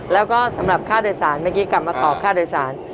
แล้วก็สำหรับค่าโดยสารเมื่อกี้กลับมาตอบค่าโดยสาร